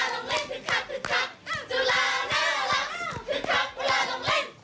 คึกคักเวลาลงเล่น